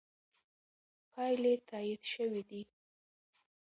پایلې تایید شوې دي.